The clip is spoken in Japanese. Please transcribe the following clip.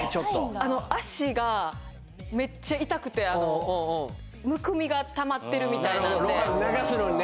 足がめっちゃ痛くてむくみがたまってるみたいなんでなるほど流すのにね